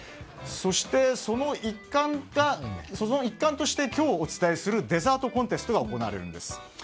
そして、その一環として今日お伝えするデザートコンテストが行われるんです。